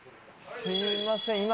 すみません